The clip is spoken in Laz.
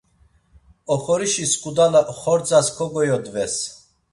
Oxorişi sǩudala xordzas kogoyodves.